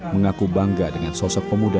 mengaku bangga dengan sosok pemuda